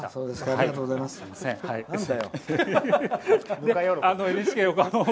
ありがとうございます。